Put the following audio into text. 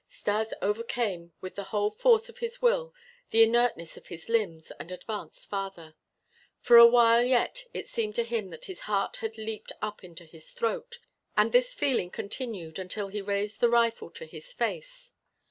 Stas overcame with the whole force of his will the inertness of his limbs and advanced farther. For a while yet it seemed to him that his heart had leaped up into his throat, and this feeling continued until he raised the rifle to his face.